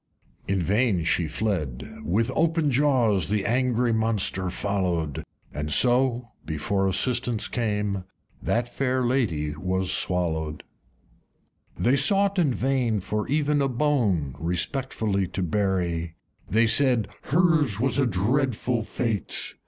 In vain she fled: with open jaws The angry monster followed, And so (before assistance came) That Lady Fair was swollowed. V. They sought in vain for even a bone Respectfully to bury; They said, "Hers was a dreadful fate!"